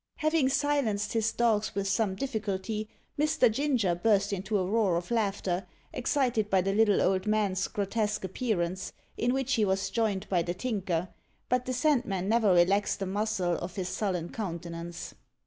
Having silenced his dogs with some difficulty, Mr. Ginger burst into a roar of laughter, excited by the little old man's grotesque appearance, in which he was joined by the Tinker; but the Sandman never relaxed a muscle of his sullen countenance.